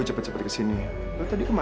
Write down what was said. udah lama aku gak ketemu kamu